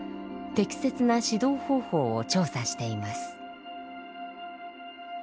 適切な指導方法を調査しています。